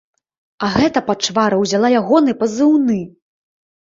А гэта пачвара ўзяла ягоны пазыўны!